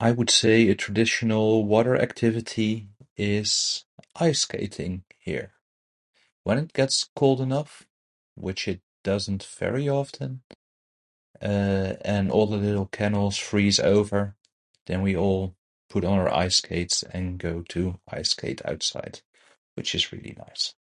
I would say a traditional water activity is ice skating here. When it gets cold enough, which it doesn't very often, uh, and all the little canals freeze over and we all put on our ice skates and go to ice skate outside. Which is really nice.